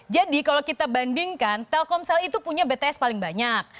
jadi kalau kita bandingkan telkomsel itu punya bts paling banyak